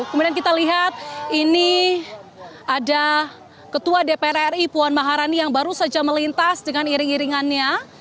kemudian kita lihat ini ada ketua dpr ri puan maharani yang baru saja melintas dengan iring iringannya